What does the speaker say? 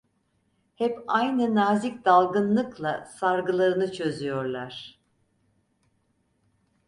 Hep aynı nazik dalgınlıkla sargılarını çözüyorlar.